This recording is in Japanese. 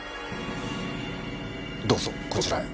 どうぞこちらへ。